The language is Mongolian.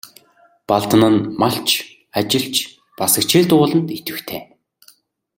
Балдан нь малч, ажилч, бас хичээл дугуйланд идэвхтэй.